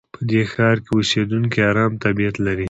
په دې ښار کې اوسېدونکي ارام طبیعت لري.